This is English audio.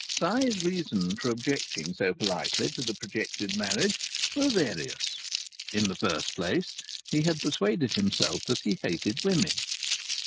Si's reasons for objecting so politely to the projected marriage were various. In the first place he had persuaded himself that he hated women.